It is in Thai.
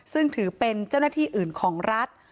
ซึ่งถือเป็นเจ้าหน้าที่อื่นของรัฐ